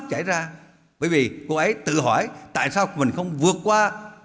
không có gì xảy ra bởi vì cô ấy tự hỏi tại sao mình không vượt qua